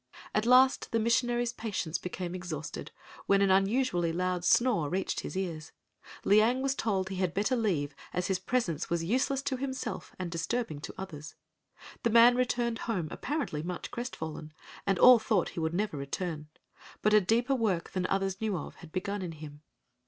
At last the missionary's patience became exhausted when an unusually loud snore reached his ears. Liang was told he had better leave as his presence was "useless to himself and disturbing to others." The man returned home apparently much crestfallen, and all thought he would never return; but a deeper work than others knew of had begun in him.